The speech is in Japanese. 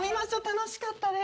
楽しかったです！